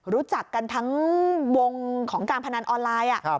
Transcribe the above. รู้จักกันทั้งวงของการพนันออนไลน์